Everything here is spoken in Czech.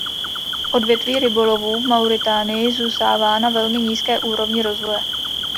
Odvětví rybolovu v Mauritánii zůstává na velmi nízké úrovni rozvoje.